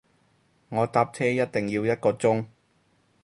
我搭車一定要一個鐘